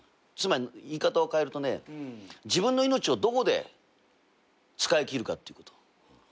つまり言い方を変えるとね自分の命をどこで使い切るかっていうこと。